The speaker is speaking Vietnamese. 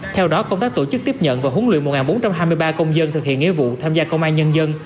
theo đó công tác tổ chức tiếp nhận và huấn luyện một bốn trăm hai mươi ba công dân thực hiện nghĩa vụ tham gia công an nhân dân